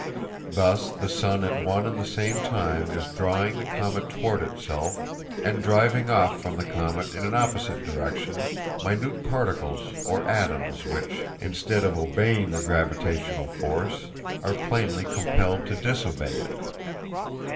Thus the sun at one and the same time is drawing the comet toward itself and driving off from the comet in an opposite direction minute particles or atoms which, instead of obeying the gravitational force, are plainly compelled to disobey it.